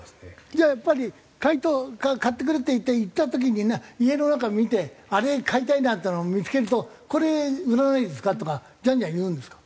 じゃあやっぱり買ってくれっていって行った時に家の中見てあれ買いたいなっていうのを見付けると「これ売らないんですか？」とかジャンジャン言うんですか？